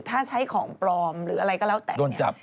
ถ้าใช้ของปลอมหรืออะไรก็แล้วแต่โดนจับ